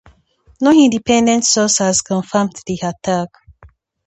No independent source has confirmed the attack.